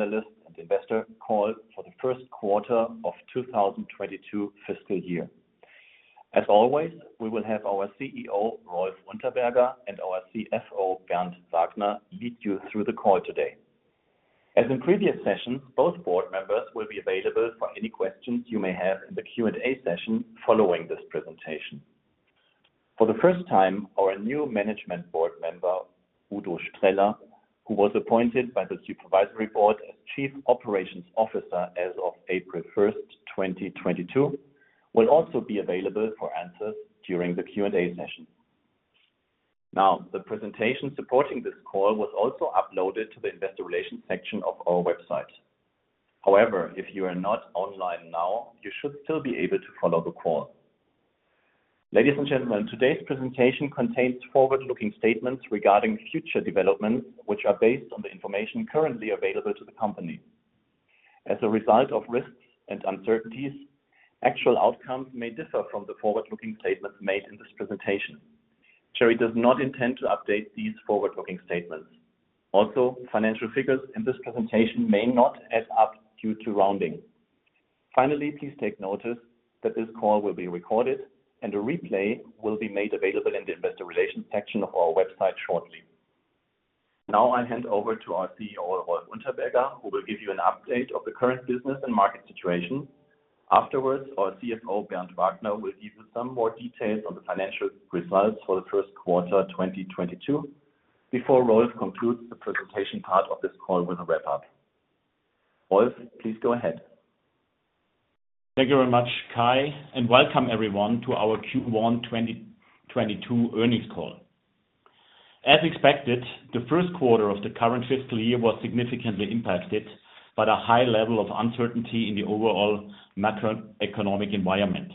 Our analyst and investor call for the first quarter of 2022 fiscal year. As always, we will have our CEO, Rolf Unterberger, and our CFO, Bernd Wagner, lead you through the call today. As in previous sessions, both board members will be available for any questions you may have in the Q&A session following this presentation. For the first time, our new management board member, Udo Streller, who was appointed by the supervisory board as Chief Operations Officer as of April 1, 2022, will also be available for answers during the Q&A session. Now, the presentation supporting this call was also uploaded to the investor relations section of our website. However, if you are not online now, you should still be able to follow the call. Ladies and gentlemen, today's presentation contains forward-looking statements regarding future developments, which are based on the information currently available to the company. As a result of risks and uncertainties, actual outcomes may differ from the forward-looking statements made in this presentation. Cherry does not intend to update these forward-looking statements. Also, financial figures in this presentation may not add up due to rounding. Finally, please take notice that this call will be recorded and a replay will be made available in the investor relations section of our website shortly. Now I hand over to our CEO, Rolf Unterberger, who will give you an update of the current business and market situation. Afterwards, our CFO, Bernd Wagner, will give you some more details on the financial results for the first quarter 2022 before Rolf concludes the presentation part of this call with a wrap-up. Rolf, please go ahead. Thank you very much, Kai, and welcome everyone to our Q1 2022 earnings call. As expected, the first quarter of the current fiscal year was significantly impacted by the high level of uncertainty in the overall macroeconomic environment,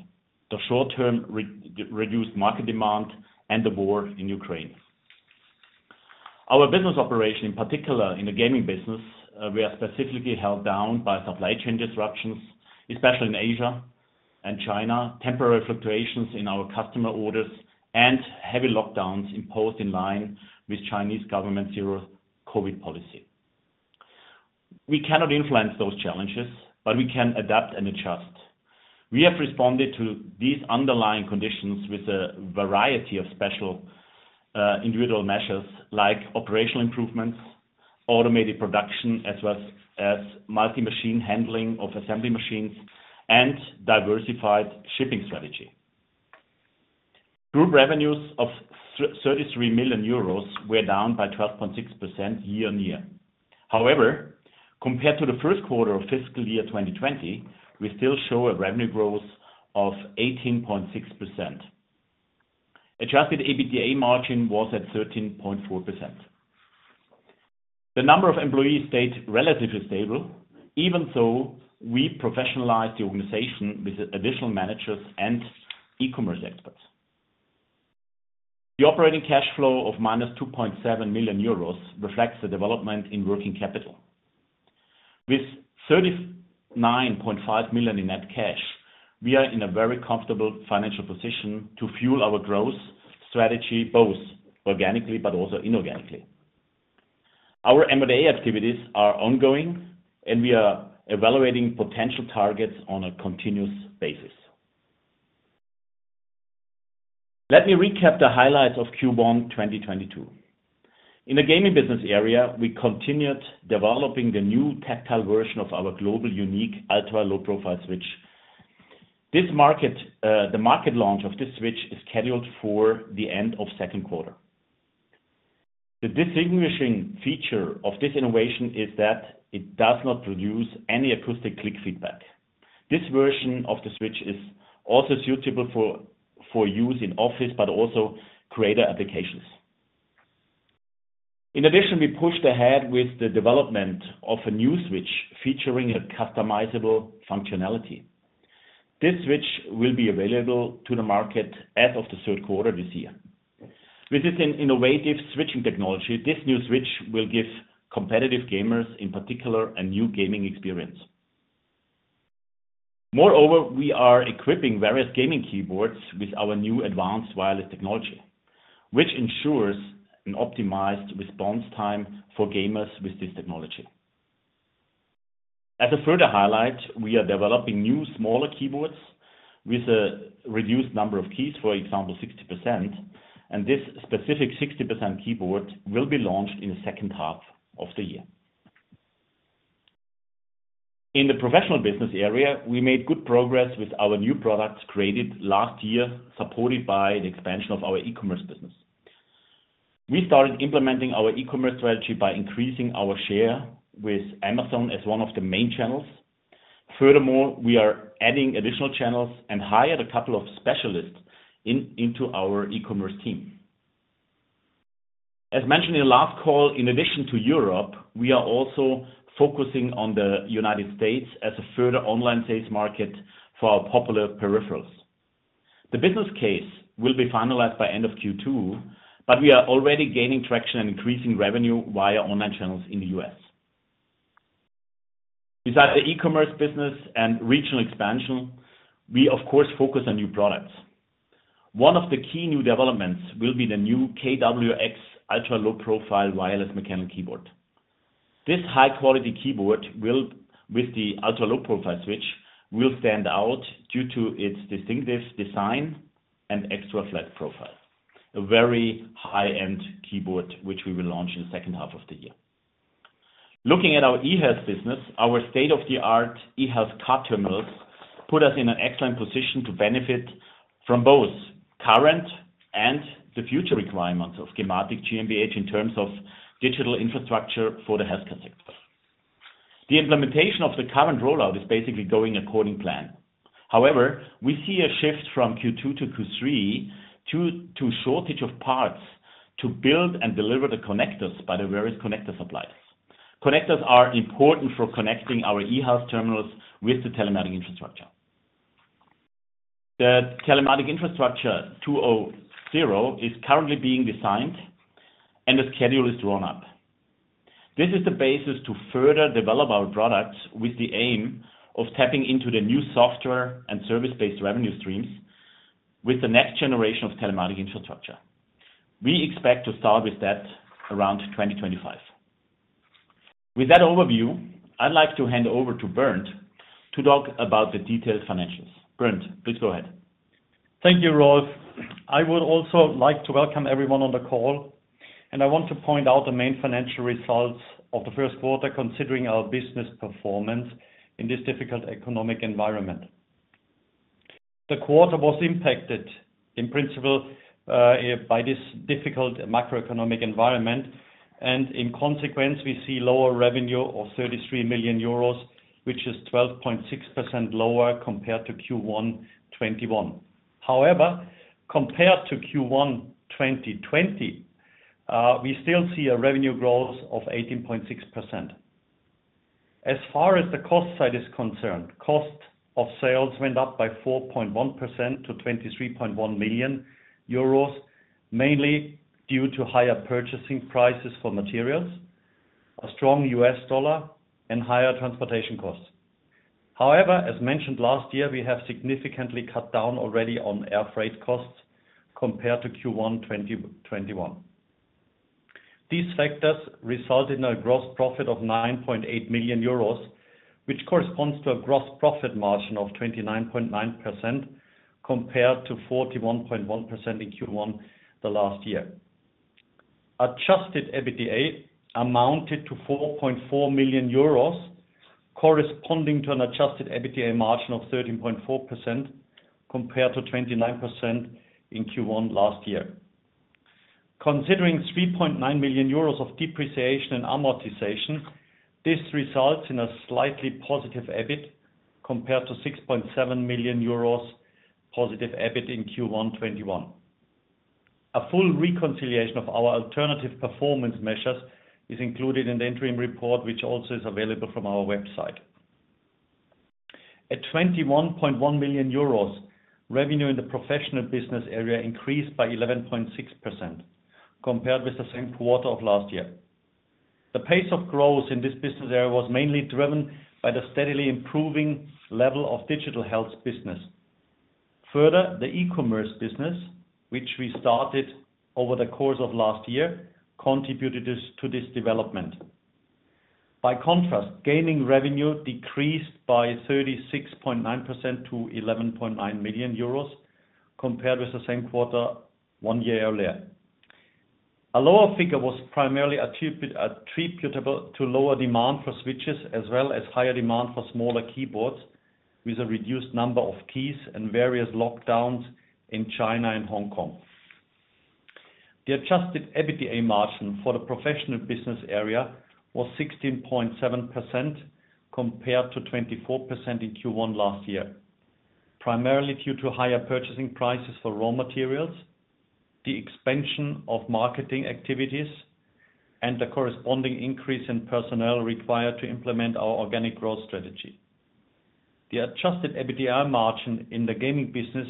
the short term re-reduced market demand, and the war in Ukraine. Our business operation, in particular in the gaming business, were specifically held down by supply chain disruptions, especially in Asia and China, temporary fluctuations in our customer orders, and heavy lockdowns imposed in line with Chinese government's zero-COVID policy. We cannot influence those challenges, but we can adapt and adjust. We have responded to these underlying conditions with a variety of special, individual measures like operational improvements, automated production, as well as multi-machine handling of assembly machines and diversified shipping strategy. Group revenues of 33 million euros were down by 12.6% year-on-year. However, compared to the first quarter of fiscal year 2020, we still show a revenue growth of 18.6%. Adjusted EBITDA margin was at 13.4%. The number of employees stayed relatively stable even though we professionalized the organization with additional managers and eCommerce experts. The operating cash flow of -2.7 million euros reflects the development in working capital. With 39.5 million in net cash, we are in a very comfortable financial position to fuel our growth strategy, both organically but also inorganically. Our M&A activities are ongoing, and we are evaluating potential targets on a continuous basis. Let me recap the highlights of Q1 2022. In the gaming business area, we continued developing the new tactile version of our global unique ultra-low profile switch. The market launch of this switch is scheduled for the end of second quarter. The distinguishing feature of this innovation is that it does not produce any acoustic click feedback. This version of the switch is also suitable for use in office but also creator applications. In addition, we pushed ahead with the development of a new switch featuring a customizable functionality. This switch will be available to the market as of the third quarter this year. With its innovative switching technology, this new switch will give competitive gamers, in particular, a new gaming experience. Moreover, we are equipping various gaming keyboards with our new advanced wireless technology, which ensures an optimized response time for gamers with this technology. As a further highlight, we are developing new smaller keyboards with a reduced number of keys, for example, 60%, and this specific 60% keyboard will be launched in the second half of the year. In the professional business area, we made good progress with our new products created last year, supported by the expansion of our eCommerce business. We started implementing our eCommerce strategy by increasing our share with Amazon as one of the main channels. Furthermore, we are adding additional channels and hired a couple of specialists into our eCommerce team. As mentioned in the last call, in addition to Europe, we are also focusing on the United States as a further online sales market for our popular peripherals. The business case will be finalized by end of Q2, but we are already gaining traction and increasing revenue via online channels in the U.S. Besides the e-commerce business and regional expansion, we of course focus on new products. One of the key new developments will be the new KW X ULP Wireless Mechanical Keyboard. This high-quality keyboard, with the ultra-low profile switch, will stand out due to its distinctive design and extra flat profile. A very high-end keyboard, which we will launch in the second half of the year. Looking at our eHealth business, our state-of-the-art eHealth card terminals put us in an excellent position to benefit from both current and the future requirements of gematik GmbH in terms of digital infrastructure for the healthcare sector. The implementation of the current rollout is basically going according to plan. However, we see a shift from Q2 to Q3 due to shortage of parts to build and deliver the connectors by the various connector suppliers. Connectors are important for connecting our eHealth terminals with the telematics infrastructure. The telematics infrastructure 2.0 is currently being designed and the schedule is drawn up. This is the basis to further develop our products with the aim of tapping into the new software and service-based revenue streams with the next generation of telematics infrastructure. We expect to start with that around 2025. With that overview, I'd like to hand over to Bernd to talk about the detailed financials. Bernd, please go ahead. Thank you, Rolf. I would also like to welcome everyone on the call, and I want to point out the main financial results of the first quarter, considering our business performance in this difficult economic environment. The quarter was impacted in principle by this difficult macroeconomic environment, and in consequence, we see lower revenue of 33 million euros, which is 12.6% lower compared to Q1 2021. However, compared to Q1 2020, we still see a revenue growth of 18.6%. As far as the cost side is concerned, cost of sales went up by 4.1% to 23.1 million euros, mainly due to higher purchasing prices for materials, a strong US dollar, and higher transportation costs. However, as mentioned last year, we have significantly cut down already on air freight costs compared to Q1 2021. These factors result in a gross profit of 9.8 million euros, which corresponds to a gross profit margin of 29.9% compared to 41.1% in Q1 last year. Adjusted EBITDA amounted to 4.4 million euros, corresponding to an adjusted EBITDA margin of 13.4% compared to 29% in Q1 last year. Considering 3.9 million euros of depreciation and amortization, this results in a slightly positive EBIT compared to 6.7 million euros positive EBIT in Q1 2021. A full reconciliation of our alternative performance measures is included in the interim report, which also is available from our website. At 21.1 million euros, revenue in the professional business area increased by 11.6% compared with the same quarter of last year. The pace of growth in this business area was mainly driven by the steadily improving level of digital health business. Further, the e-commerce business, which we started over the course of last year, contributed to this development. By contrast, gaming revenue decreased by 36.9% to 11.9 million euros compared with the same quarter one year earlier. A lower figure was primarily attributable to lower demand for switches, as well as higher demand for smaller keyboards with a reduced number of keys and various lockdowns in China and Hong Kong. The adjusted EBITDA margin for the professional business area was 16.7% compared to 24% in Q1 last year, primarily due to higher purchasing prices for raw materials, the expansion of marketing activities, and the corresponding increase in personnel required to implement our organic growth strategy. The adjusted EBITDA margin in the gaming business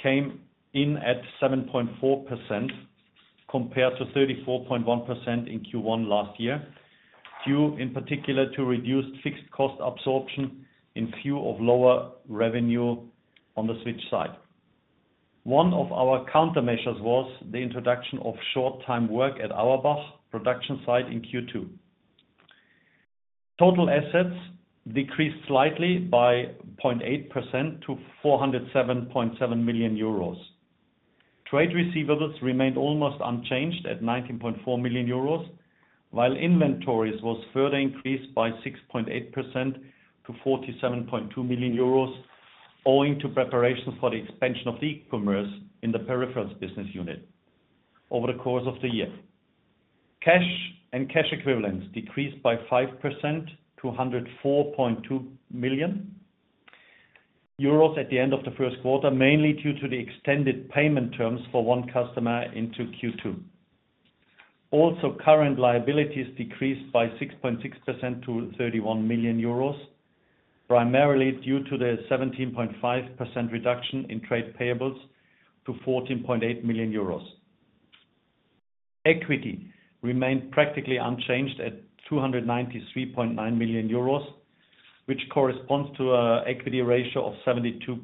came in at 7.4% compared to 34.1% in Q1 last year, due in particular to reduced fixed cost absorption in view of lower revenue on the switch side. One of our countermeasures was the introduction of short-time work at Auerbach production site in Q2. Total assets decreased slightly by 0.8% to 407.7 million euros. Trade receivables remained almost unchanged at 19.4 million euros, while inventories was further increased by 6.8% to 47.2 million euros, owing to preparation for the expansion of eCommerce in the peripherals business unit over the course of the year. Cash and cash equivalents decreased by 5% to 104.2 million euros at the end of the first quarter, mainly due to the extended payment terms for one customer into Q2. Also, current liabilities decreased by 6.6% to 31 million euros, primarily due to the 17.5% reduction in trade payables to 14.8 million euros. Equity remained practically unchanged at 293.9 million euros, which corresponds to a equity ratio of 72%.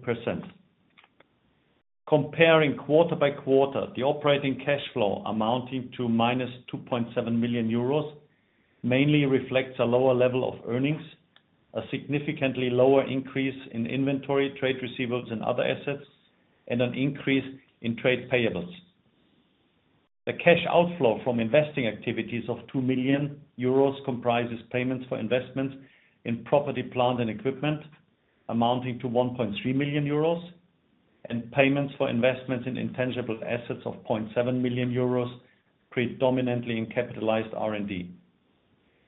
Comparing quarter by quarter, the operating cash flow amounting to -2.7 million euros mainly reflects a lower level of earnings, a significantly lower increase in inventory, trade receivables and other assets, and an increase in trade payables. The cash outflow from investing activities of 2 million euros comprises payments for investments in property, plant and equipment amounting to 1.3 million euros, and payments for investments in intangible assets of 0.7 million euros, predominantly in capitalized R&D.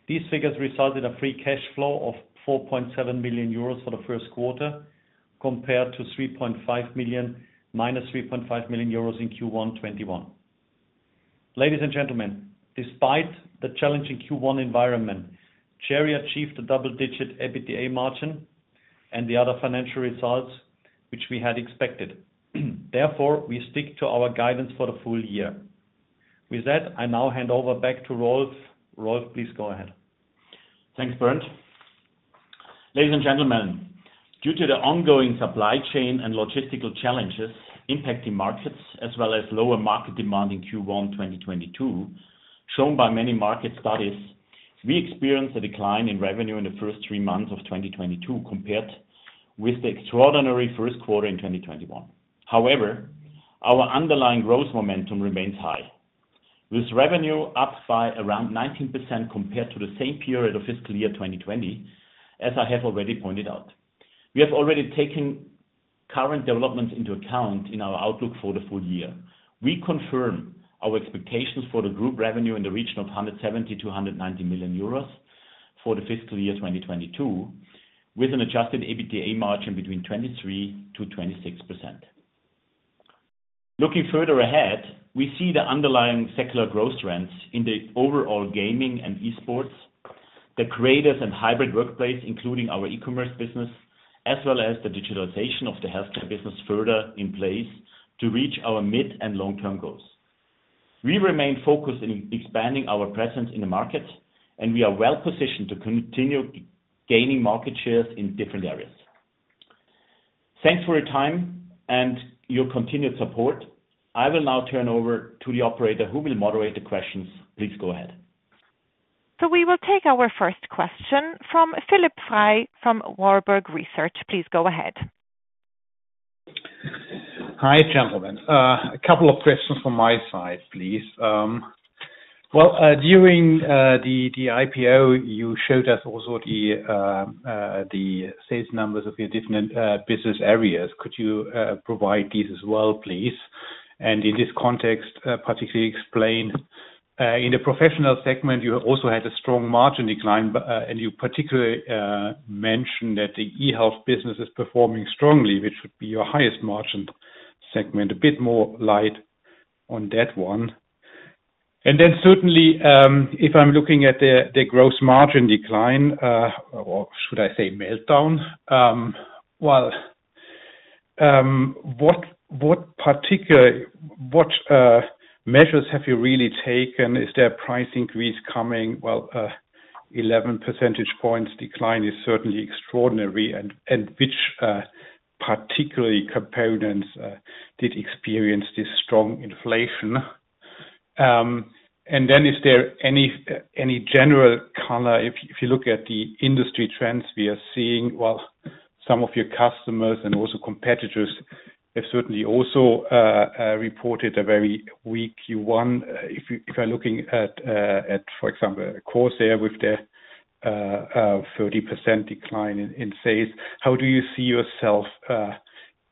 These figures result in a free cash flow of 4.7 million euros for the first quarter, compared to -3.5 million in Q1 2021. Ladies and gentlemen, despite the challenging Q1 environment, Cherry achieved a double-digit EBITDA margin and the other financial results which we had expected. Therefore, we stick to our guidance for the full year. With that, I now hand over back to Rolf. Rolf, please go ahead. Thanks, Bernd. Ladies and gentlemen, due to the ongoing supply chain and logistical challenges impacting markets as well as lower market demand in Q1 2022, shown by many market studies, we experienced a decline in revenue in the first three months of 2022 compared with the extraordinary first quarter in 2021. However, our underlying growth momentum remains high. With revenue up by around 19% compared to the same period of fiscal year 2020, as I have already pointed out. We have already taken current developments into account in our outlook for the full year. We confirm our expectations for the group revenue in the region of 170 million-190 million euros for the fiscal year 2022, with an adjusted EBITDA margin between 23%-26%. Looking further ahead, we see the underlying secular growth trends in the overall gaming and esports, the creators and hybrid workplace, including our e-commerce business, as well as the digitalization of the healthcare business further in place to reach our mid and long-term goals. We remain focused in expanding our presence in the market, and we are well-positioned to continue gaining market shares in different areas. Thanks for your time and your continued support. I will now turn over to the operator who will moderate the questions. Please go ahead. We will take our first question from Philipp Frey from Warburg Research. Please go ahead. Hi, gentlemen. A couple of questions from my side, please. Well, during the IPO, you showed us also the sales numbers of your different business areas. Could you provide these as well, please? In this context, particularly explain in the professional segment, you also had a strong margin decline, and you particularly mentioned that the eHealth business is performing strongly, which would be your highest margin segment. A bit more light on that one. Then certainly, if I'm looking at the gross margin decline, or should I say meltdown, well, what measures have you really taken? Is there a price increase coming? Well, 11 percentage points decline is certainly extraordinary. Which particular components did experience this strong inflation? Is there any general color? If you look at the industry trends we are seeing, well, some of your customers and also competitors have certainly also reported a very weak Q1. If you're looking at, for example, Corsair with their 30% decline in sales. How do you see yourself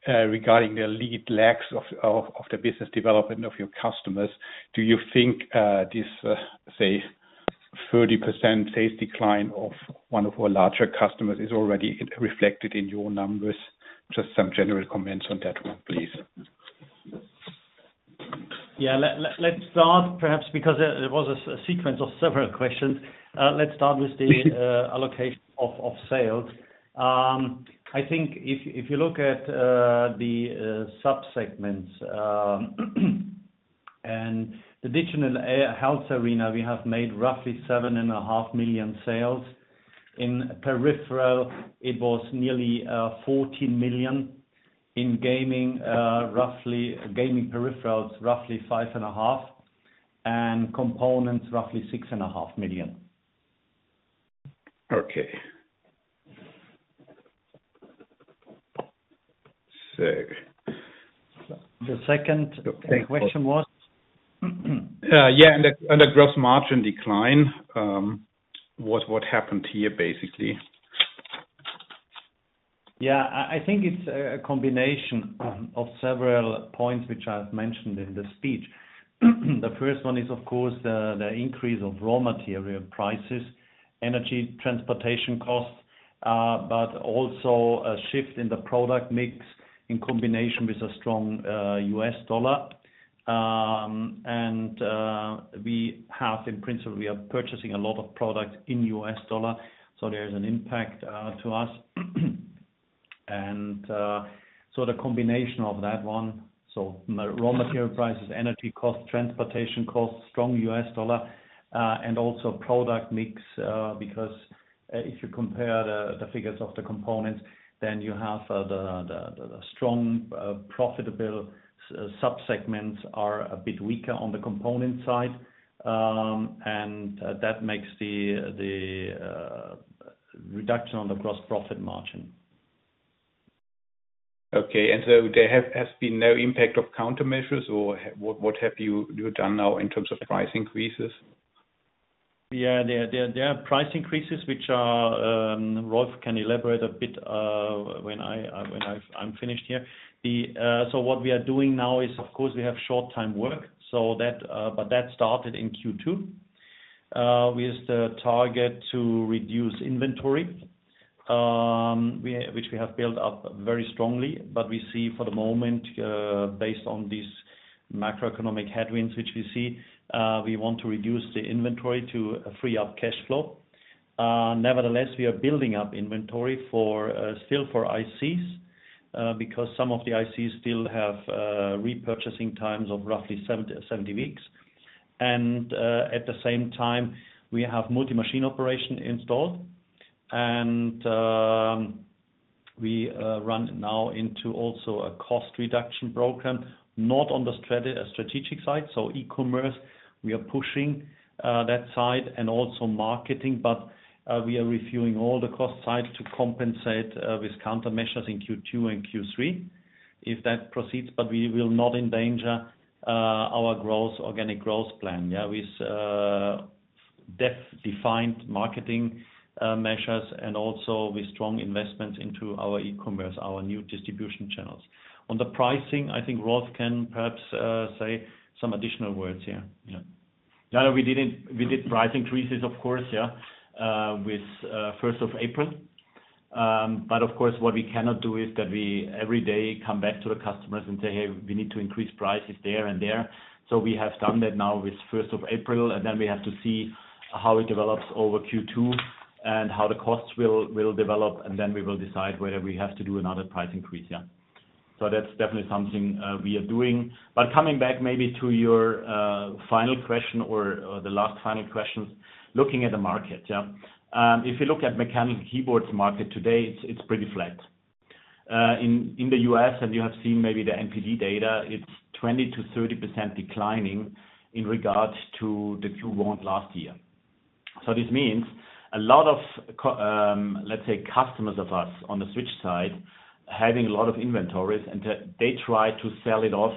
regarding the lead lags of the business development of your customers? Do you think this say 30% sales decline of one of our larger customers is already reflected in your numbers? Just some general comments on that one, please. Yeah. Let's start perhaps because it was a sequence of several questions. Let's start with the- Please do. Allocation of sales. I think if you look at the subsegments and the digital health arena, we have made roughly 7.5 million sales. In peripherals, it was nearly 14 million. In gaming peripherals, roughly 5.5 million. Components, roughly 6.5 million. Okay. The second question was? Yeah. The gross margin decline, what happened here, basically? Yeah. I think it's a combination of several points which I've mentioned in the speech. The first one is of course the increase of raw material prices, energy, transportation costs, but also a shift in the product mix in combination with a strong US dollar. We have in principle, we are purchasing a lot of products in US dollar, so there is an impact to us. The combination of that one, raw material prices, energy costs, transportation costs, strong US dollar, and also product mix, because if you compare the figures of the components, then you have the strong profitable subsegments are a bit weaker on the component side, and that makes the reduction on the gross profit margin. Okay. There has been no impact of countermeasures or what have you done now in terms of price increases? There are price increases which are, Rolf can elaborate a bit, when I'm finished here. What we are doing now is, of course, we have short-time work, but that started in Q2 with the target to reduce inventory, which we have built up very strongly. We see for the moment, based on these macroeconomic headwinds, which we see, we want to reduce the inventory to free up cash flow. Nevertheless, we are building up inventory still for ICs, because some of the ICs still have lead times of roughly 70 weeks. At the same time, we have multi-machine operation installed, and we now also run into a cost reduction program, not on the strategic side. eCommerce, we are pushing that side and also marketing, but we are reviewing all the cost side to compensate with countermeasures in Q2 and Q3 if that proceeds. We will not endanger our growth, organic growth plan with defined marketing measures and also with strong investments into our eCommerce, our new distribution channels. On the pricing, I think Rolf can perhaps say some additional words here. No, no, we didn't. We did price increases, of course, yeah, with first of April. Of course, what we cannot do is that we every day come back to the customers and say, "Hey, we need to increase prices there and there." We have done that now with first of April, and then we have to see how it develops over Q2 and how the costs will develop, and then we will decide whether we have to do another price increase. Yeah. That's definitely something we are doing. Coming back maybe to your final question or the last final question. Looking at the market, yeah. If you look at mechanical keyboards market today, it's pretty flat. In the US and you have seen maybe the NPD data, it's 20%-30% declining in regards to the Q1 last year. This means a lot of, let's say, customers of us on the switch side having a lot of inventories, and they try to sell it off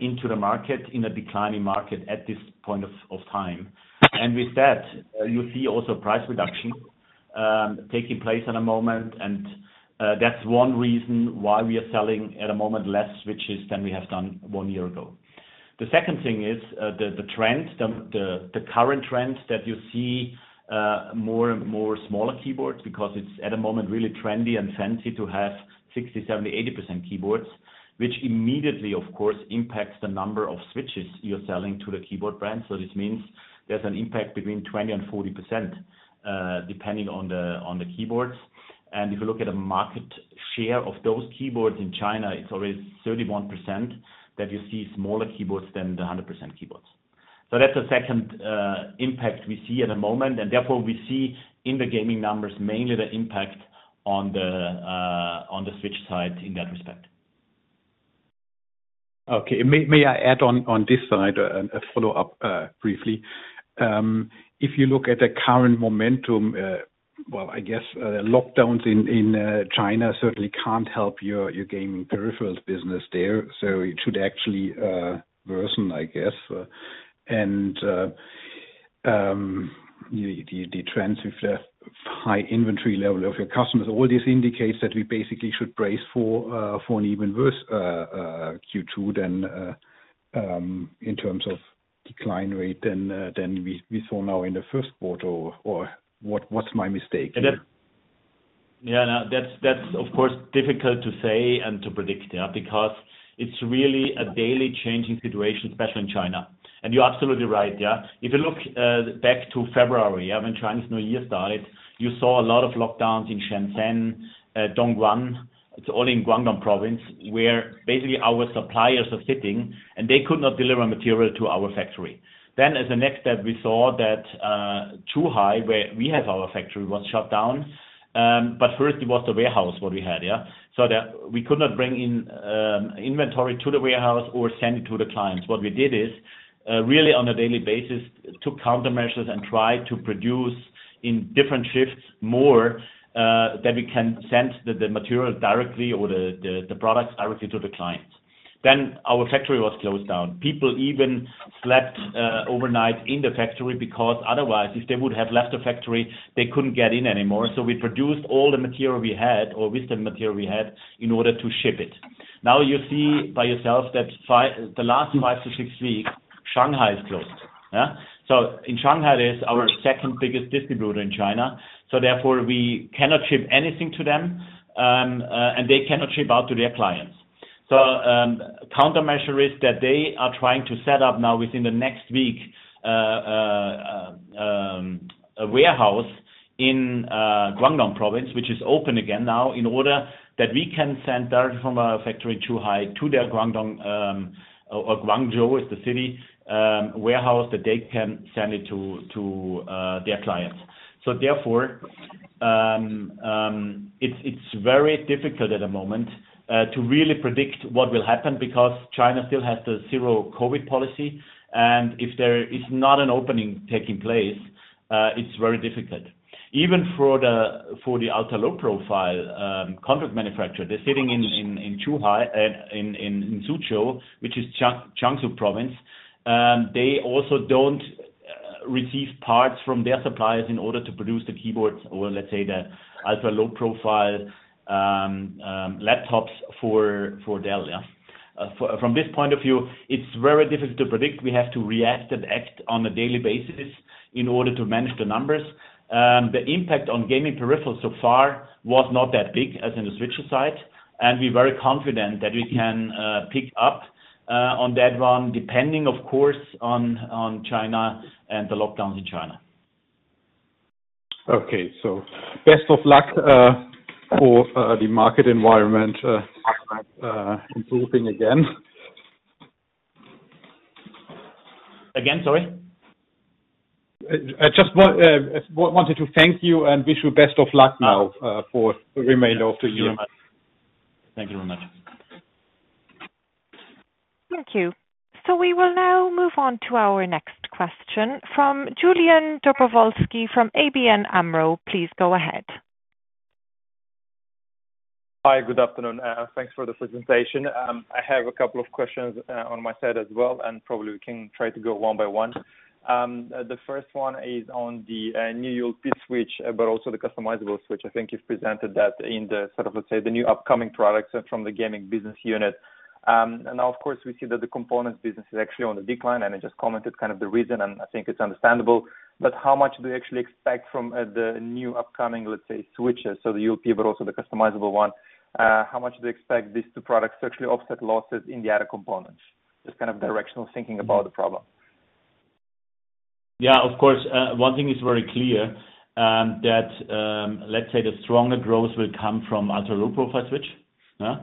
into the market in a declining market at this point of time. With that, you see also price reduction taking place at the moment. That's one reason why we are selling at the moment less switches than we have done one year ago. The second thing is, the current trends that you see, more and more smaller keyboards, because it's at the moment really trendy and fancy to have 60%, 70%, 80% keyboards, which immediately, of course, impacts the number of switches you're selling to the keyboard brands. This means there's an impact between 20%-40%, depending on the keyboards. If you look at the market share of those keyboards in China, it's already 31% that you see smaller keyboards than the 100% keyboards. That's the second impact we see at the moment. Therefore, we see in the gaming numbers, mainly the impact on the switch side in that respect. Okay. May I add on this side a follow-up briefly? If you look at the current momentum, well, I guess, lockdowns in China certainly can't help your gaming peripherals business there, so it should actually worsen, I guess. The trends with the high inventory level of your customers, all this indicates that we basically should brace for an even worse Q2 than, in terms of decline rate, than we saw now in the first quarter, or what's my mistake here? And that- Yeah, no, that's of course difficult to say and to predict, yeah, because it's really a daily changing situation, especially in China. You're absolutely right, yeah. If you look back to February, yeah, when Chinese New Year started, you saw a lot of lockdowns in Shenzhen, Dongguan. It's all in Guangdong province, where basically our suppliers are sitting, and they could not deliver material to our factory. As the next step, we saw that Zhuhai, where we have our factory, was shut down. First it was the warehouse what we had, yeah. We could not bring in inventory to the warehouse or send it to the clients. What we did is really on a daily basis took countermeasures and tried to produce in different shifts more that we can send the material directly or the products directly to the clients. Our factory was closed down. People even slept overnight in the factory because otherwise if they would have left the factory they couldn't get in anymore. We produced all the material we had or with the material we had in order to ship it. Now you see by yourself that the last 5-6 weeks Shanghai is closed yeah. In Shanghai there's our second biggest distributor in China so therefore we cannot ship anything to them and they cannot ship out to their clients. Countermeasure is that they are trying to set up now within the next week. A warehouse in Guangdong Province, which is open again now in order that we can send directly from our factory to their Guangdong or Guangzhou, which is the city, warehouse that they can send it to their clients. Therefore, it's very difficult at the moment to really predict what will happen because China still has the zero-COVID policy. If there is not an opening taking place, it's very difficult. Even for the ultra-low profile contract manufacturer, they're sitting in Suzhou, which is Jiangsu Province, they also don't receive parts from their suppliers in order to produce the keyboards or let's say the ultra-low profile laptops for Dell. From this point of view, it's very difficult to predict. We have to react and act on a daily basis in order to manage the numbers. The impact on gaming peripherals so far was not that big as in the switch side, and we're very confident that we can pick up on that one, depending, of course, on China and the lockdowns in China. Okay. Best of luck for the market environment improving again. Again, sorry? I just wanted to thank you and wish you best of luck now for the remainder of the year. Thank you very much. Thank you. We will now move on to our next question from Julian Dobrovolschi from ABN AMRO. Please go ahead. Hi, good afternoon. Thanks for this presentation. I have a couple of questions on my side as well, and probably we can try to go one by one. The first one is on the new ULP switch, but also the customizable switch. I think you've presented that in the sort of, let's say, the new upcoming products from the gaming business unit. Now, of course, we see that the components business is actually on the decline, and I just commented kind of the reason, and I think it's understandable. How much do you actually expect from the new upcoming, let's say, switches? The ULP, but also the customizable one, how much do you expect these two products to actually offset losses in the other components? Just kind of directional thinking about the problem. Yeah, of course. One thing is very clear, that, let's say the stronger growth will come from ultra-low profile switch, yeah.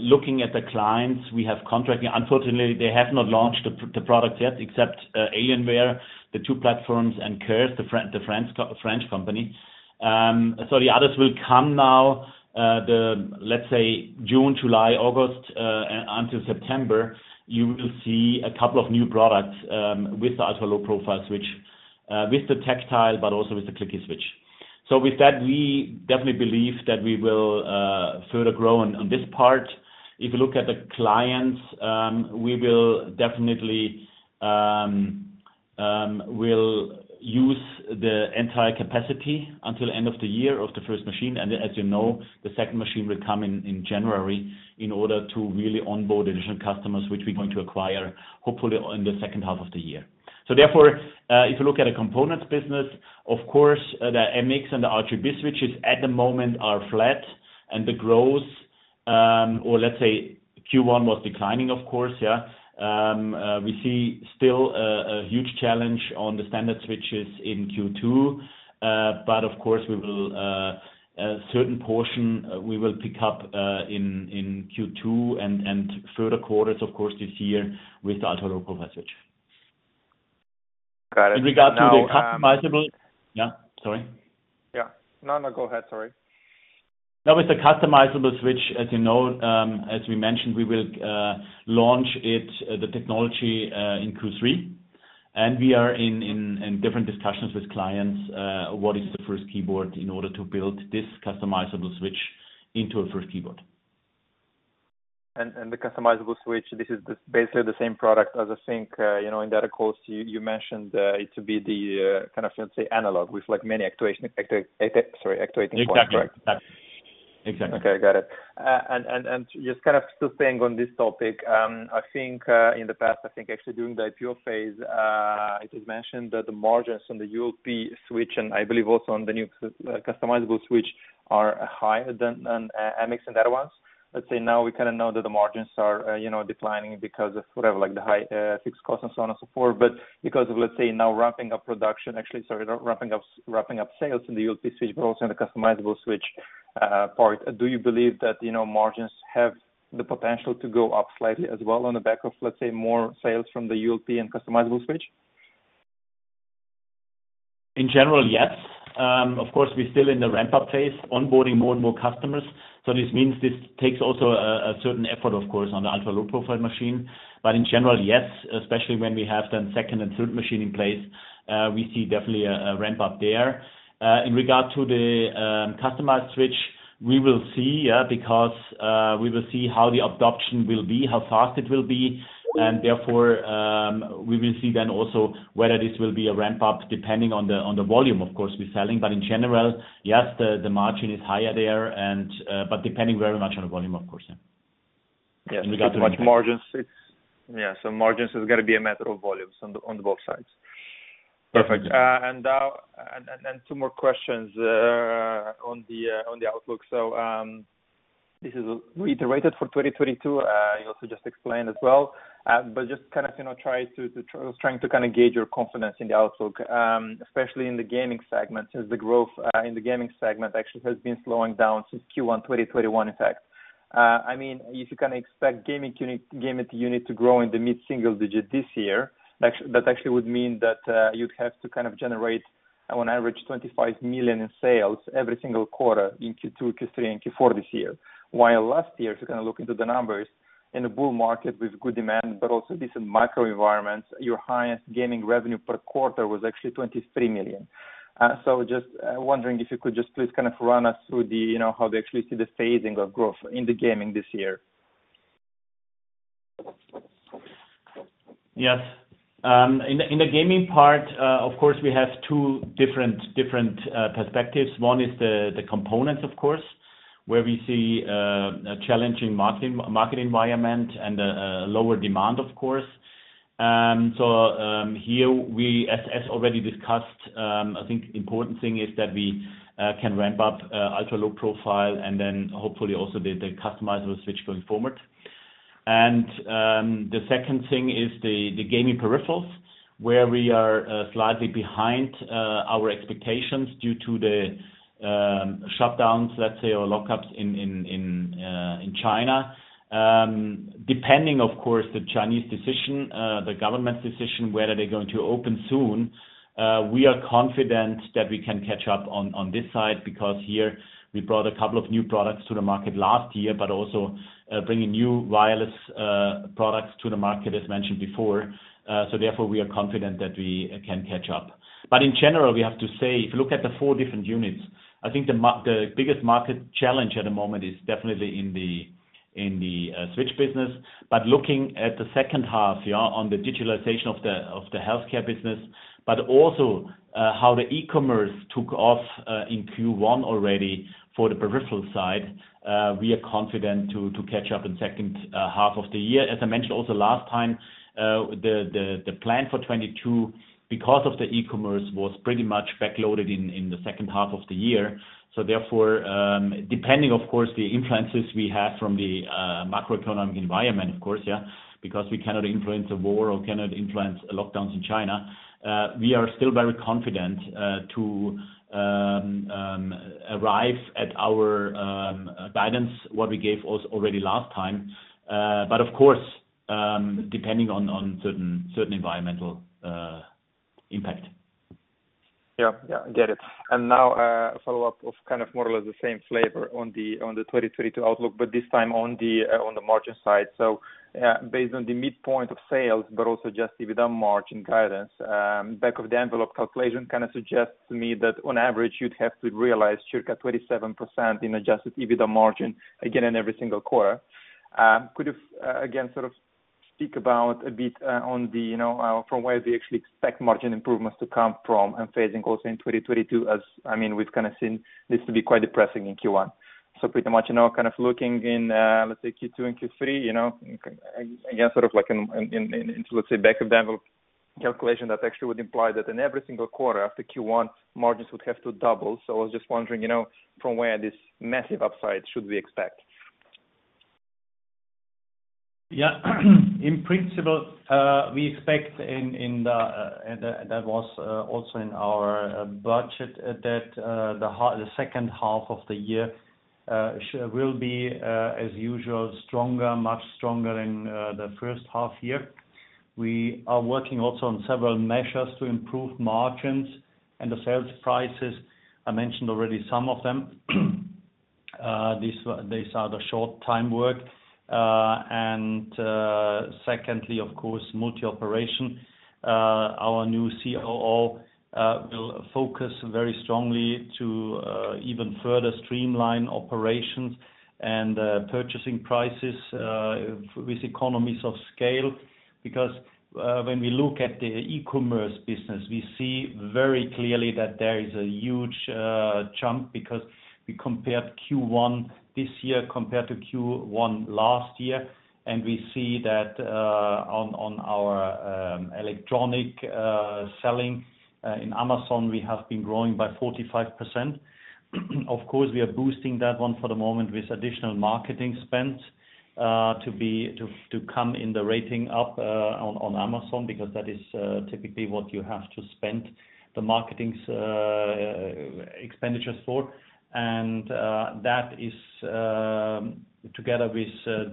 Looking at the clients we have contracted, unfortunately, they have not launched the product yet, except Alienware, the two platforms, and Corsair, the French company. The others will come now, let's say June, July, August, until September, you will see a couple of new products with the ultra-low profile switch, with the textile, but also with the clicky switch. With that, we definitely believe that we will further grow on this part. If you look at the clients, we will definitely will use the entire capacity until end of the year of the first machine. As you know, the second machine will come in in January in order to really onboard additional customers, which we're going to acquire hopefully in the second half of the year. If you look at the components business, of course, the MX and the MX RGB switches at the moment are flat and the growth, or let's say Q1 was declining, of course, yeah. We see still a huge challenge on the standard switches in Q2. But of course, we will pick up a certain portion in Q2 and further quarters, of course this year with the ultra-low profile switch. Got it. Now, Yeah, sorry. Yeah. No, no, go ahead. Sorry. Now with the customizable switch, as you know, as we mentioned, we will launch it, the technology, in Q3. We are in different discussions with clients, what is the first keyboard in order to build this customizable switch into a first keyboard. The customizable switch, this is basically the same product as I think you know in that course you mentioned it to be the kind of, let's say, analog with like many actuating points, right? Exactly. Okay. Got it. Just kind of still staying on this topic, I think in the past, I think actually during the IPO phase, it was mentioned that the margins on the ULP switch, and I believe also on the new customizable switch are higher than MX and other ones. Let's say now we kinda know that the margins are, you know, declining because of whatever, like the high fixed cost and so on and so forth. Because of, let's say now ramping up production, actually, sorry, ramping up sales in the ULP switch, but also in the customizable switch part, do you believe that, you know, margins have the potential to go up slightly as well on the back of, let's say, more sales from the ULP and customizable switch? In general, yes. Of course, we're still in the ramp-up phase, onboarding more and more customers. This means this takes also a certain effort, of course, on the ultra-low profile machine. In general, yes, especially when we have then second and third machine in place, we see definitely a ramp-up there. In regard to the customized switch, we will see, yeah, because we will see how the adoption will be, how fast it will be, and therefore, we will see then also whether this will be a ramp-up depending on the volume, of course, we're selling. In general, yes, the margin is higher there but depending very much on the volume, of course. Yeah. Margins is gonna be a matter of volumes on both sides. Perfect. two more questions on the outlook. This is reiterated for 2022. You also just explained as well. Just kind of, you know, trying to kind of gauge your confidence in the outlook, especially in the gaming segment, since the growth in the gaming segment actually has been slowing down since Q1 2021 in fact. I mean, if you can expect gaming unit to grow in the mid-single digit this year, that actually would mean that you'd have to kind of generate on average 25 million in sales every single quarter in Q2, Q3, and Q4 this year. While last year, if you kind of look into the numbers, in a bull market with good demand, but also decent macro environments, your highest gaming revenue per quarter was actually 23 million. So just wondering if you could just please kind of run us through the, you know, how they actually see the phasing of growth in the gaming this year. Yes. In the gaming part, of course, we have two different perspectives. One is the components, of course, where we see a challenging market environment and lower demand, of course. Here we, as already discussed, I think important thing is that we can ramp up ultra-low profile and then hopefully also the customizable switch going forward. The second thing is the gaming peripherals, where we are slightly behind our expectations due to the shutdowns, let's say, or lockdowns in China. Depending, of course, on the Chinese decision, the government's decision, whether they're going to open soon, we are confident that we can catch up on this side because here we brought a couple of new products to the market last year, but also bringing new wireless products to the market as mentioned before. Therefore, we are confident that we can catch up. In general, we have to say, if you look at the four different units, I think the biggest market challenge at the moment is definitely in the switch business. Looking at the second half, on the digitization of the healthcare business, but also how the eCommerce took off in Q1 already for the peripheral side, we are confident to catch up in second half of the year. As I mentioned also last time, the plan for 2022, because of the eCommerce, was pretty much backloaded in the second half of the year. Therefore, depending, of course, the influences we have from the macroeconomic environment, of course, because we cannot influence a war or cannot influence lockdowns in China, we are still very confident to arrive at our guidance, what we gave us already last time. Of course, depending on certain environmental impact. I get it. Now, a follow-up of kind of more or less the same flavor on the 2022 outlook, but this time on the margin side. Based on the midpoint of sales, but also just EBITDA margin guidance, back of the envelope calculation kind of suggests to me that on average, you'd have to realize circa 27% in adjusted EBITDA margin again in every single quarter. Could you again, sort of speak about a bit, on the, you know, from where they actually expect margin improvements to come from and phasing goals in 2022, as, I mean, we've kind of seen this to be quite depressing in Q1. Pretty much, you know, kind of looking in, let's say Q2 and Q3, you know, again, sort of like in, let's say, back of the envelope calculation, that actually would imply that in every single quarter after Q1, margins would have to double. I was just wondering, you know, from where this massive upside should we expect. In principle, we expect, and that was also in our budget, that the second half of the year will be, as usual, stronger, much stronger than the first half year. We are also working on several measures to improve margins and the selling prices. I mentioned already some of them. These are the short-time work. Secondly, of course, multi-machine operation. Our new COO will focus very strongly to even further streamline operations and purchase prices with economies of scale. When we look at the e-commerce business, we see very clearly that there is a huge chunk because we compared Q1 this year compared to Q1 last year, and we see that on our e-commerce selling in Amazon, we have been growing by 45%. Of course, we are boosting that one for the moment with additional marketing spends to come up in the ranking on Amazon, because that is typically what you have to spend the marketing expenditures for. That is together with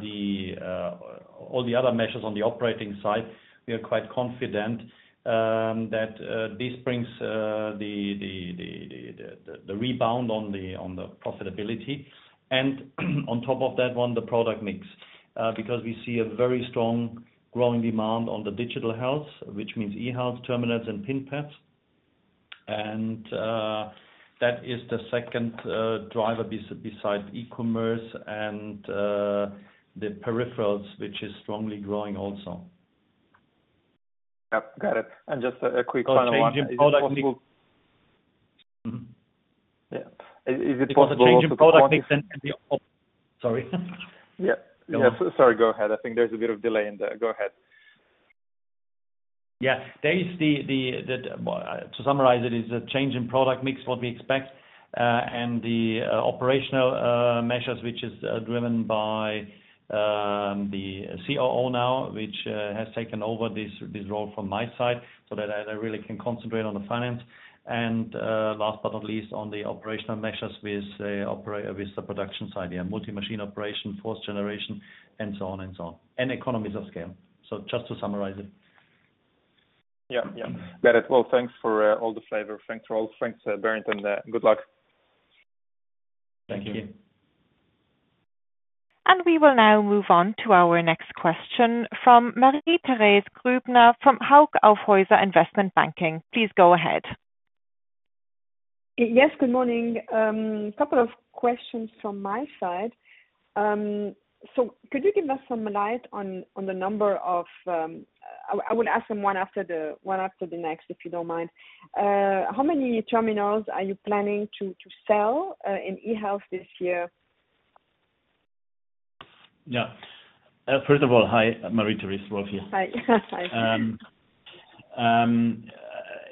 all the other measures on the operating side, we are quite confident that this brings the rebound on the profitability. On top of that one, the product mix, because we see a very strong growing demand on the digital health, which means eHealth terminals and PIN-Pads. That is the second driver beside eCommerce and the peripherals, which is strongly growing also. Yep. Got it. Just a quick final one. Is it possible? Changing product mix. Yeah. Is it possible? Sorry. Yeah. Sorry, go ahead. I think there's a bit of delay in there. Go ahead. Yeah. There is that, well, to summarize it is a change in product mix what we expect, and the operational measures which is driven by the COO now, which has taken over this role from my side so that I really can concentrate on the finance and, last but not least, on the operational measures with the production side, yeah, multi-machine operation, fourth generation, and so on and so on, and economies of scale. Just to summarize it. Yeah. Got it. Well, thanks for all the flavor. Thanks, Bernd Wagner. Good luck. Thank you. We will now move on to our next question from Marie-Thérèse Grübner from Hauck Aufhäuser Investment Banking. Please go ahead. Yes, good morning. Couple of questions from my side. I would ask them one after the next, if you don't mind. How many terminals are you planning to sell in eHealth this year? Yeah. First of all, hi, Marie-Thérèse. Rolf here. Hi. Hi.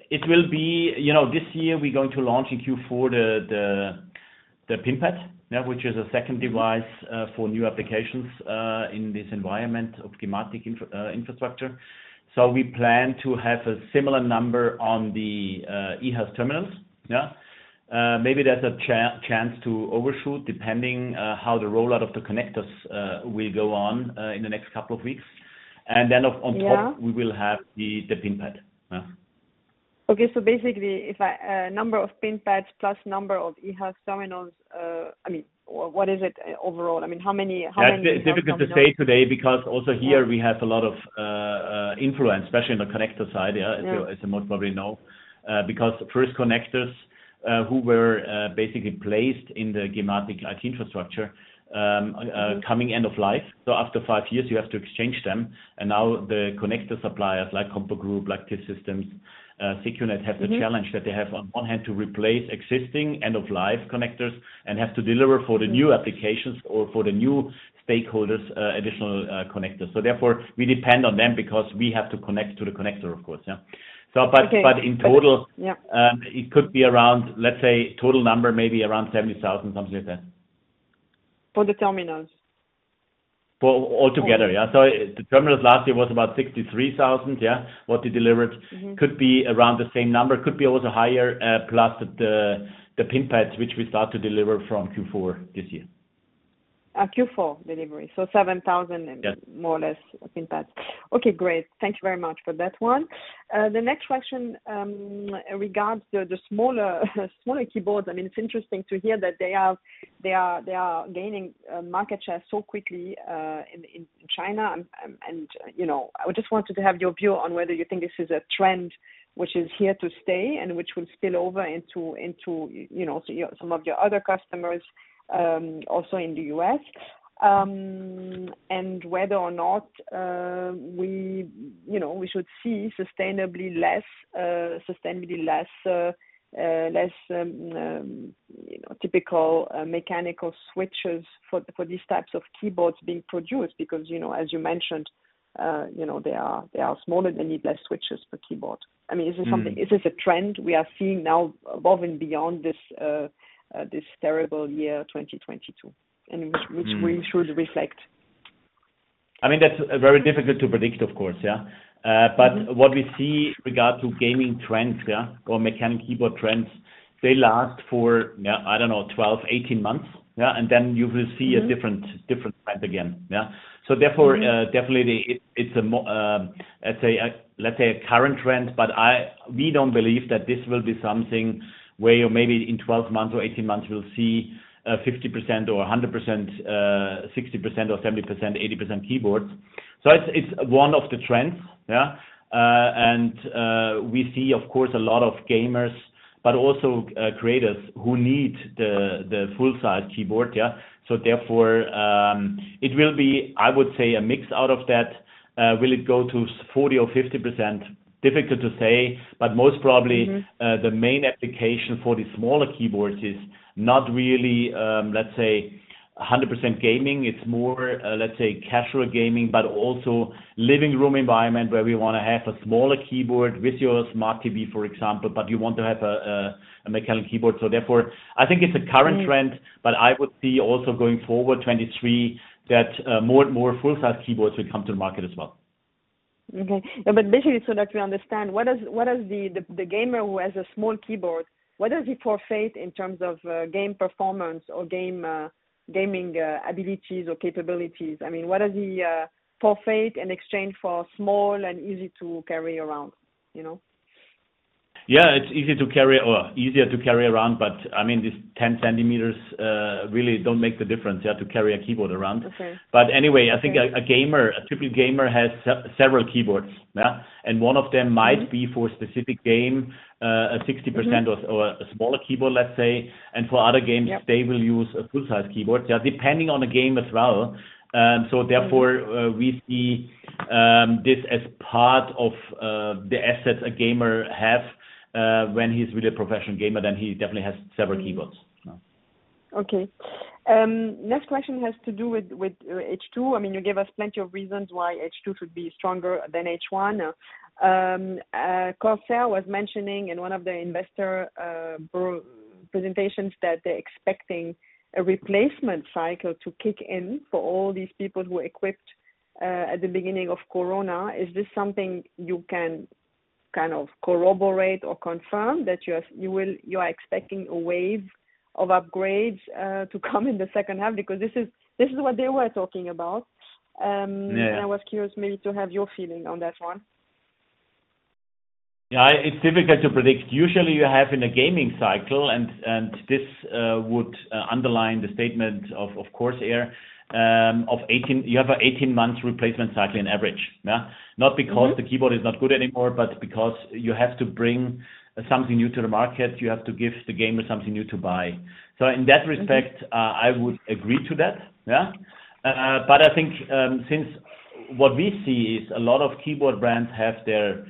You know, this year we're going to launch in Q4 the PIN-Pad, which is a second device for new applications in this environment of gematik infrastructure. We plan to have a similar number on the eHealth terminals. Maybe there's a chance to overshoot depending how the rollout of the connectors will go on in the next couple of weeks. On top. Yeah. We will have the PIN-Pad. Yeah. Okay. Basically, if I number of PIN pads plus number of eHealth terminals, I mean, what is it overall? I mean, how many in total number? That's difficult to say today because also here we have a lot of influence, especially in the connector side, yeah. Yeah. As you most probably know. Because the first connectors who were basically placed in the gematik TI infrastructure coming end of life. After five years you have to exchange them, and now the connector suppliers like CompuGroup, like T-Systems, secunet have- Mm-hmm. The challenge that they have on one hand to replace existing end of life connectors and have to deliver for the new applications or for the new stakeholders additional connectors. Therefore we depend on them because we have to connect to the connector of course, yeah. But Okay. In total. Yeah. It could be around, let's say, total number, maybe around 70,000, something like that. For the terminals? For all together, yeah. All. The terminals last year was about 63,000, yeah. What we delivered. Mm-hmm. Could be around the same number, could be also higher, plus the PIN-Pads, which we start to deliver from Q4 this year. Q4 delivery. 7,000 Yeah. more or less PIN pads. Okay, great. Thank you very much for that one. The next question regards the smaller keyboards. I mean, it's interesting to hear that they are gaining market share so quickly in China. You know, I just wanted to have your view on whether you think this is a trend which is here to stay and which will spill over into some of your other customers also in the US. Whether or not we should see sustainably less typical mechanical switches for these types of keyboards being produced. Because you know, as you mentioned, they are smaller, they need less switches per keyboard. I mean, is this something? Mm-hmm. Is this a trend we are seeing now above and beyond this terrible year, 2022? Which we should reflect. I mean, that's very difficult to predict, of course. Yeah. Mm-hmm. What we see with regard to gaming trends, yeah, or mechanical keyboard trends, they last for, yeah, I don't know, 12-18 months. Yeah. And then you will see- Mm-hmm. a different trend again. Yeah. Therefore Mm-hmm. Definitely it's a current trend, but we don't believe that this will be something where you're maybe in 12 months or 18 months we'll see 50% or 100%, 60% or 70%, 80% keyboards. So it's one of the trends. Yeah. And we see, of course, a lot of gamers, but also creators who need the full size keyboard. Yeah. So therefore, it will be, I would say, a mix out of that. Will it go to 40% or 50%? Difficult to say, but most probably. Mm-hmm. The main application for the smaller keyboards is not really, let's say 100% gaming. It's more, let's say casual gaming, but also living room environment where we wanna have a smaller keyboard with your smart TV, for example, but you want to have a mechanical keyboard. Therefore, I think it's a current trend. Mm. I would see also going forward 2023 that more and more full-size keyboards will come to the market as well. Basically so that we understand, what does the gamer who has a small keyboard forfeit in terms of game performance or gaming abilities or capabilities? I mean, what does he forfeit in exchange for small and easy to carry around, you know? Yeah, it's easy to carry or easier to carry around, but I mean, this 10 centimeters really don't make the difference, yeah, to carry a keyboard around. Okay. Anyway, I think a gamer, a typical gamer has several keyboards. Yeah. One of them might- Mm-hmm. be for specific game, a 60%- Mm-hmm. or a smaller keyboard, let's say. For other games. Yep. They will use a full size keyboard. Yeah. Depending on the game as well. Therefore. Mm. We see this as part of the assets a gamer have when he's really a professional gamer, then he definitely has several keyboards. Okay. Next question has to do with H2. I mean, you gave us plenty of reasons why H2 should be stronger than H1. Corsair was mentioning in one of the investor brochure presentations that they're expecting a replacement cycle to kick in for all these people who equipped at the beginning of Corona. Is this something you can kind of corroborate or confirm? That you are expecting a wave of upgrades to come in the second half? Because this is what they were talking about. Yeah. I was curious maybe to have your feeling on that one. Yeah. It's difficult to predict. Usually, you have in a gaming cycle and this would underline the statement of course, yeah, of 18. You have a 18 months replacement cycle on average, yeah. Not because Mm-hmm. The keyboard is not good anymore, but because you have to bring something new to the market, you have to give the gamer something new to buy. In that respect Mm-hmm. I would agree to that. Yeah. I think, since what we see is a lot of keyboard brands have their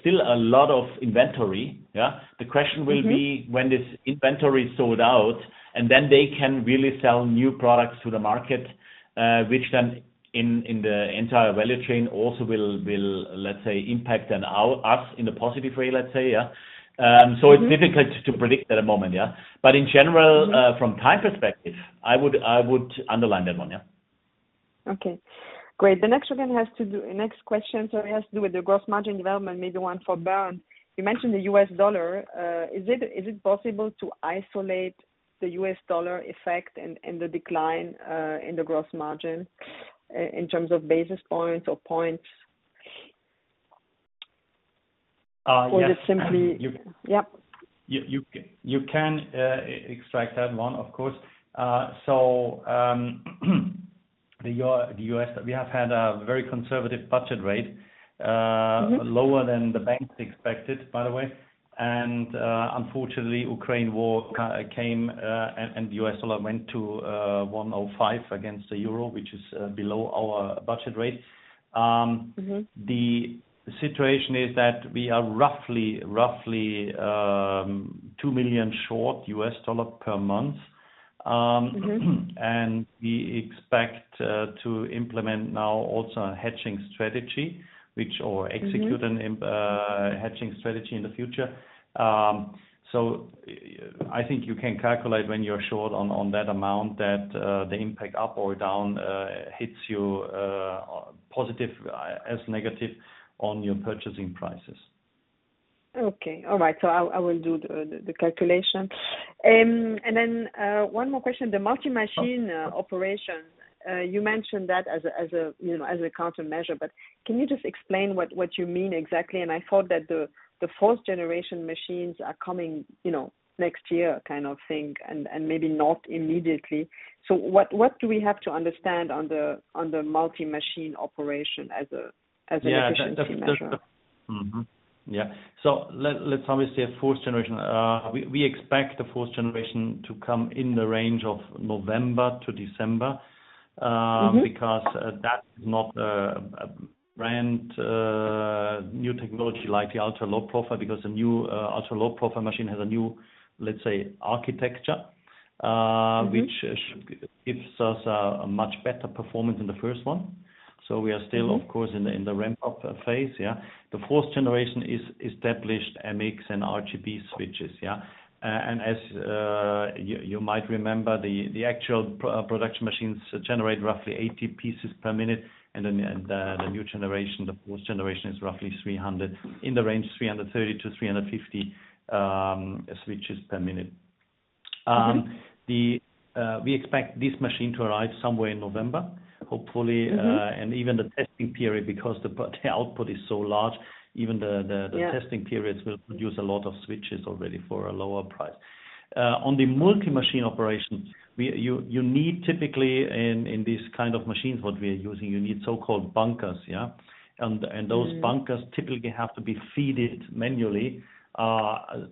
still a lot of inventory, yeah. The question will be. Mm-hmm. When this inventory is sold out, and then they can really sell new products to the market, which then in the entire value chain also will, let's say, impact on us in a positive way, let's say, yeah. So it's Mm-hmm. Difficult to predict at the moment, yeah. In general- Mm-hmm. From time perspective, I would underline that one, yeah. Okay, great. Next question, it has to do with the gross margin development, maybe one for Bernd. You mentioned the U.S. dollar. Is it possible to isolate the U.S. dollar effect in the decline in the gross margin in terms of basis points or points? Yes. Is it simply. You- Yep. You can extract that one, of course. The US, we have had a very conservative budget rate. Mm-hmm. Lower than the banks expected, by the way. Unfortunately, Ukraine war came, and the US dollar went to 1.05 against the euro, which is below our budget rate. Mm-hmm. The situation is that we are roughly $2 million short in US dollars per month. Mm-hmm. We expect to implement now also a hedging strategy, which Mm-hmm. or execute a hedging strategy in the future. I think you can calculate when you're short on that amount that the impact up or down hits you positive or negative on your purchasing prices. Okay. All right. I will do the calculation. And then one more question, the multi-machine operation you mentioned that as a countermeasure, you know, but can you just explain what you mean exactly? I thought that the fourth generation machines are coming, you know, next year kind of thing, and maybe not immediately. What do we have to understand on the multi-machine operation as an efficiency measure? We expect the fourth generation to come in the range of November to December. Mm-hmm. That's not a brand new technology like the ultra-low profile, because the new ultra-low profile machine has a new, let's say, architecture. Mm-hmm. which gives us a much better performance than the first one. We are still- Mm-hmm. Of course, in the ramp-up phase, yeah. The fourth generation is established MX and RGB switches, yeah. As you might remember, the actual pre-production machines generate roughly 80 pieces per minute, and then the new generation, the fourth generation is roughly 300, in the range 330-350 switches per minute. Mm-hmm. We expect this machine to arrive somewhere in November, hopefully. Mm-hmm. Even the testing period, because the output is so large, even the. Yeah. The testing periods will produce a lot of switches already for a lower price. On the multi-machine operations, you need typically in these kind of machines what we are using, you need so-called bunkers, yeah. Those- Mm-hmm. Bunkers typically have to be fed manually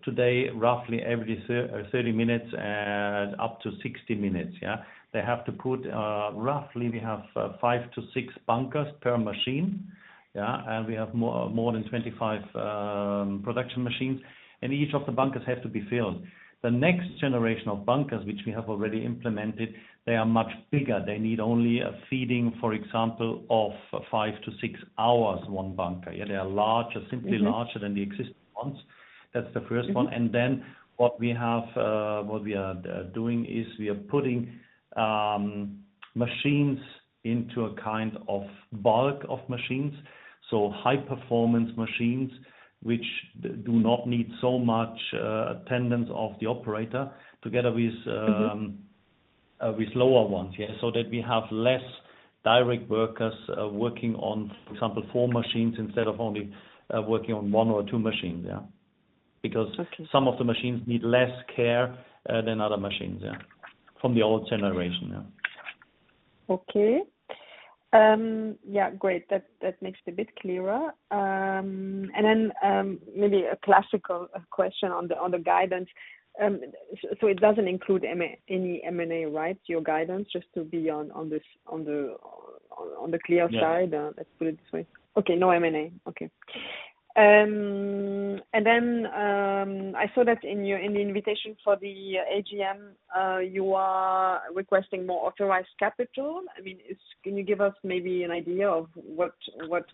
today, roughly every 30-60 minutes, yeah. They have to put roughly we have five-six bunkers per machine, yeah. We have more than 25 production machines, and each of the bunkers have to be filled. The next generation of bunkers, which we have already implemented, they are much bigger. They need only a feeding, for example, of five-six hours, one bunker. Yeah. They are larger. Mm-hmm. Simply larger than the existing ones. That's the first one. Mm-hmm. What we are doing is we are putting machines into a kind of bulk of machines, so high performance machines, which do not need so much attendance of the operator together with. Mm-hmm. with lower ones, yeah. That we have less direct workers working on, for example, 4 machines instead of only working on one or two machines, yeah. Okay. Because some of the machines need less care than other machines from the old generation. Okay. Yeah, great. That makes it a bit clearer. Maybe a classic question on the guidance. It doesn't include any M&A, right? Your guidance, just to be clear. Yeah. Let's put it this way. Okay. No M&A. Okay. I saw that in the invitation for the AGM, you are requesting more authorized capital. I mean, can you give us maybe an idea of what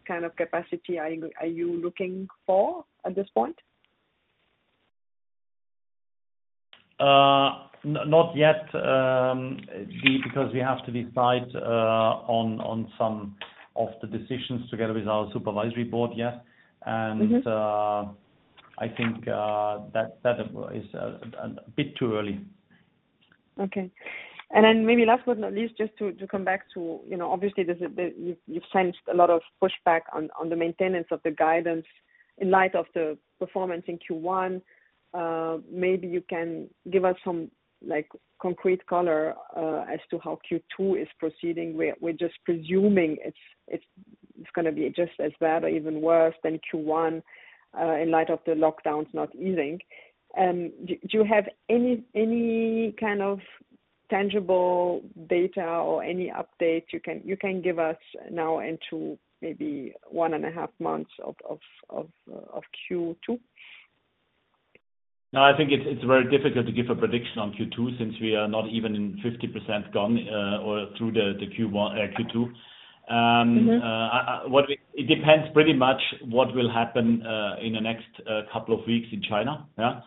kind of capacity are you looking for at this point? Not yet, because we have to decide on some of the decisions together with our supervisory board. Mm-hmm. I think that is a bit too early. Maybe last but not least, just to come back to, you know, obviously, there's a lot of pushback on the maintenance of the guidance in light of the performance in Q1. Maybe you can give us some, like, concrete color as to how Q2 is proceeding. We're just presuming it's gonna be just as bad or even worse than Q1 in light of the lockdowns not easing. Do you have any kind of tangible data or any updates you can give us now into maybe one and a half months of Q2? No, I think it's very difficult to give a prediction on Q2 since we are not even in 50% gone, or through the Q1, Q2. Mm-hmm. It depends pretty much what will happen in the next couple of weeks in China. Yeah.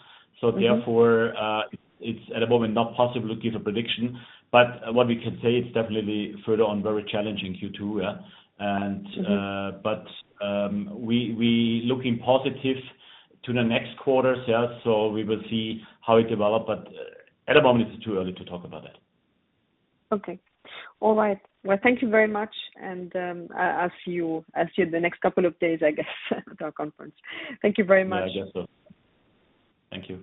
Mm-hmm. It's at the moment not possible to give a prediction, but what we can say it's definitely further on very challenging Q2, yeah. Mm-hmm. We looking positive to the next quarters, yeah. We will see how it develop, but at the moment it's too early to talk about that. Okay. All right. Well, thank you very much. I'll see you in the next couple of days, I guess, at our conference. Thank you very much. Yeah, I guess so. Thank you.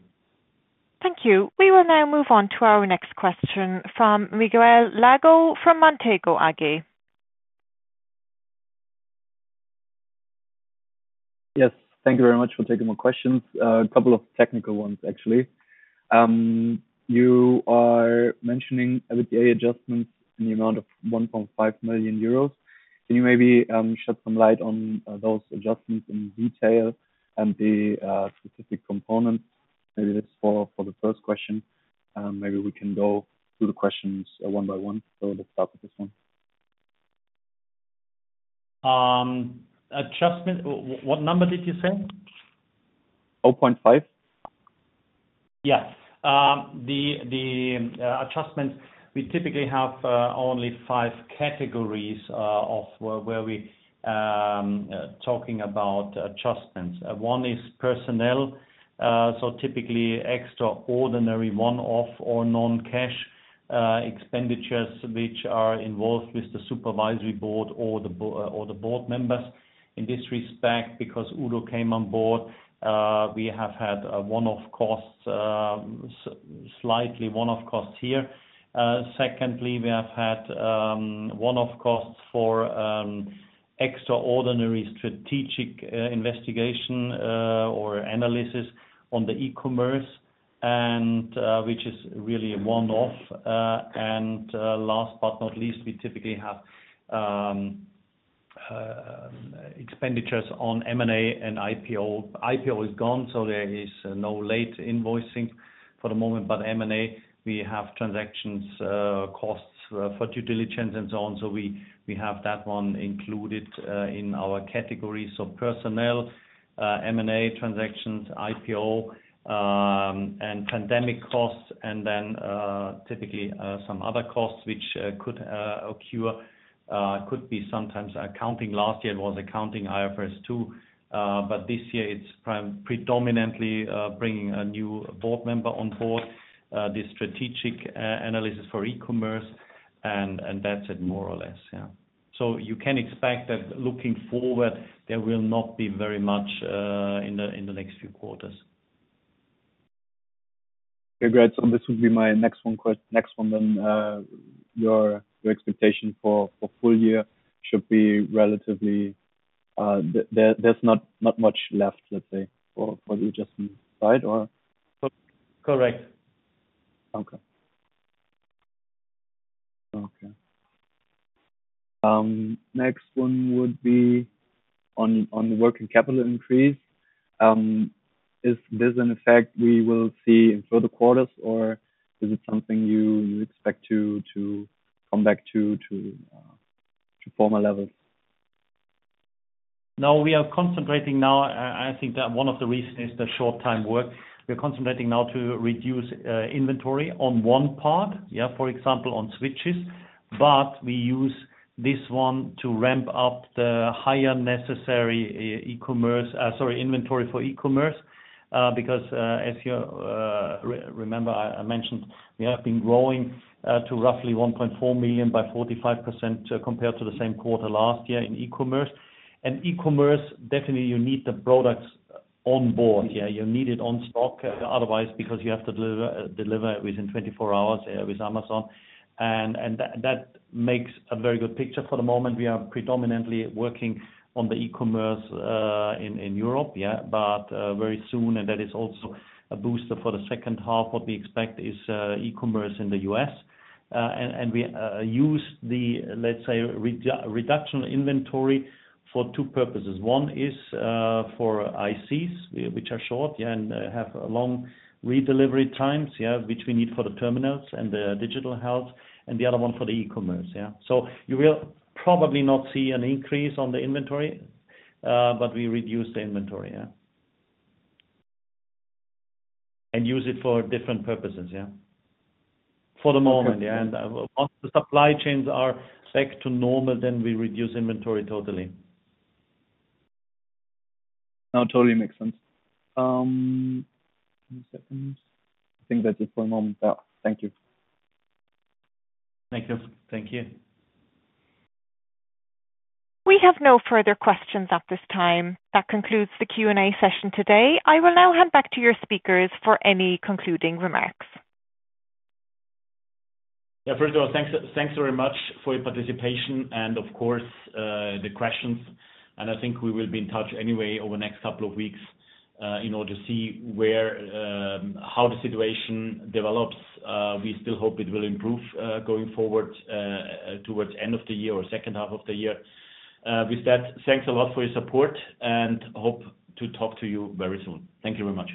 Thank you. We will now move on to our next question from Miguel Lago, from Montega AG. Yes. Thank you very much for taking my questions. A couple of technical ones, actually. You are mentioning EBITDA adjustments in the amount of 1.5 million euros. Can you maybe shed some light on those adjustments in detail and the specific components? Maybe that's for the first question, maybe we can go through the questions one by one. Let's start with this one. Adjustment. What number did you say? 0.5. Yeah. The adjustment we typically have only five categories of where we're talking about adjustments. One is personnel. Typically extraordinary one-off or non-cash expenditures which are involved with the supervisory board or the board members. In this respect, because Udo came on board, we have had a one-off costs, slightly one-off costs here. Secondly, we have had one-off costs for extraordinary strategic investigation or analysis on the e-commerce, which is really a one-off. Last but not least, we typically have expenditures on M&A and IPO. IPO is gone, so there is no late invoicing for the moment. M&A, we have transactions costs for due diligence and so on. We have that one included in our categories of personnel, M&A transactions, IPO, and pandemic costs, and then typically some other costs which could occur. Could be sometimes accounting. Last year it was accounting IFRS 2, but this year it's predominantly bringing a new board member on board, the strategic analysis for e-commerce and that's it more or less. Yeah. You can expect that looking forward, there will not be very much in the next few quarters. Okay, great. This would be my next one then. Your expectation for full year should be relatively. There's not much left, let's say, for what you just said or? Correct. Next one would be on the working capital increase. Is this an effect we will see in further quarters, or is it something you expect to come back to former levels? No, we are concentrating now. I think that one of the reasons is the short-time work. We're concentrating now to reduce inventory on one part, for example, on switches, but we use this one to ramp up the higher necessary inventory for eCommerce, because as you remember, I mentioned we have been growing to roughly 1.4 million by 45% compared to the same quarter last year in eCommerce. eCommerce, definitely you need the products on board. You need it on stock, otherwise, because you have to deliver within 24 hours with Amazon. That makes a very good picture. For the moment, we are predominantly working on the eCommerce in Europe. Very soon, that is also a booster for the second half. What we expect is e-commerce in the US. We use the, let's say, reduced inventory for two purposes. One is for ICs, which are short and have long delivery times, which we need for the terminals and the digital health. The other one for the e-commerce. You will probably not see an increase on the inventory, but we reduce the inventory. Use it for different purposes. For the moment. Okay. Yeah. Once the supply chains are back to normal, then we reduce inventory totally. No, totally makes sense. Give me a second. I think that's it for the moment. Yeah. Thank you. Thank you. Thank you. We have no further questions at this time. That concludes the Q&A session today. I will now hand back to your speakers for any concluding remarks. Yeah. First of all, thanks very much for your participation and of course, the questions. I think we will be in touch anyway over the next couple of weeks, in order to see where, how the situation develops. We still hope it will improve, going forward, towards end of the year or second half of the year. With that, thanks a lot for your support and hope to talk to you very soon. Thank you very much.